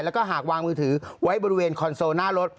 แล้วก็หากวางมือถือไว้บริเวณคอนโซลหน้ารถ